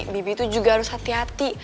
bibi itu juga harus hati hati